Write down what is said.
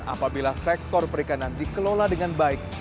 apabila sektor perikanan dikelola dengan baik